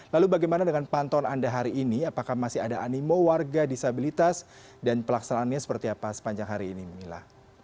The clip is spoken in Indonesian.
lalu bagaimana dengan pantauan anda hari ini apakah masih ada animo warga disabilitas dan pelaksanaannya seperti apa sepanjang hari ini mila